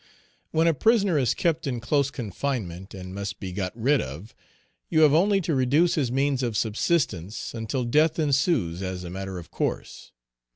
When a prisoner is kept in close confinement, and must be got rid of, you have only to reduce his means of subsistence until death ensues as a matter of course.